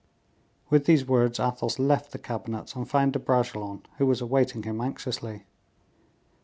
With these words Athos left the cabinet, and found De Bragelonne, who was awaiting him anxiously.